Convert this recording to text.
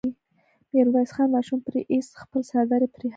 ميرويس خان ماشوم پرې ايست، خپل څادر يې پرې هوار کړ.